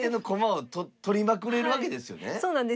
そうなんです。